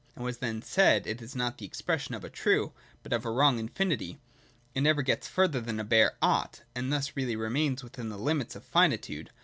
As was then said, it is not the expression of a true, but of a wrong infinity ; it never gets further than a bare 'ought,' and thus reaUy remains within the limits of finitude.